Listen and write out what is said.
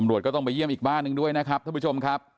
อำรวชก็ต้องไปเยี่ยมอีกบ้านหนึ่งด้วยนะครับ